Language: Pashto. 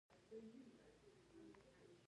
د مقالې جوت ټکی پر بنا د نرمو طالبانو راپېژندل دي.